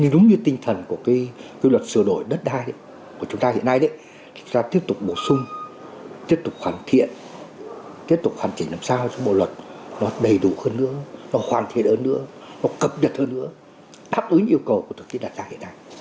đúng như tinh thần của cái luật sửa đổi đất đai của chúng ta hiện nay chúng ta tiếp tục bổ sung tiếp tục hoàn thiện tiếp tục hoàn chỉnh làm sao cho bộ luật nó đầy đủ hơn nữa nó hoàn thiện hơn nữa nó cập nhật hơn nữa đáp ứng yêu cầu của thực tiễn đặt ra hiện nay